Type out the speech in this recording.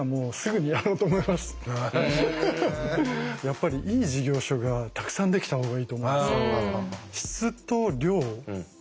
やっぱりいい事業所がたくさんできた方がいいと思うんですよ。